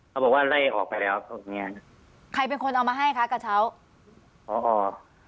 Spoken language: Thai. บอกว่าไล่ออกไปแล้วพวกเนี้ยใครเป็นคนเอามาให้คะกระเช้าพอออก